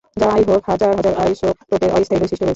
যাইহোক হাজার হাজার আইসোটোপের অস্থায়ী বৈশিষ্ট্য রয়েছে।